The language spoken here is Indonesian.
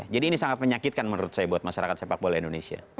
jadi ini sangat menyakitkan menurut saya buat masyarakat sepak bola indonesia